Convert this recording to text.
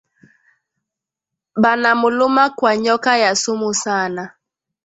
Bana muluma kwa nyoka ya sumu sana